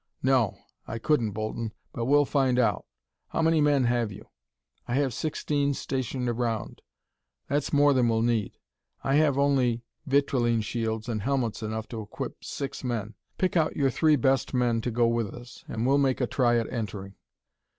"No. I couldn't, Bolton, but we'll find out. How many men have you?" "I have sixteen stationed around." "That's more than we'll need. I have only vitrilene shields and helmets enough to equip six men. Pick out your three best men to go with us and we'll make a try at entering."